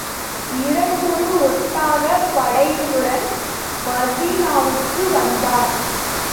இருநூறு ஒட்டகப் படையுடன் மதீனாவுக்கு வந்தார்.